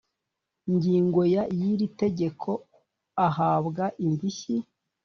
Ngingo ya y iri tegeko ahabwa indishyi